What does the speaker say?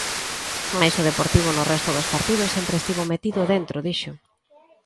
Mais o Deportivo no resto dos partidos sempre estivo metido dentro, dixo.